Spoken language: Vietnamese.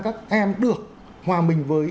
các em được hòa mình với